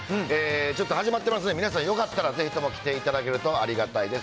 ちょっと始まってますんで、皆さんぜひとも来ていただけると、ありがたいです。